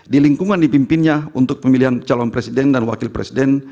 di lingkungan dipimpinnya untuk pemilihan calon presiden dan wakil presiden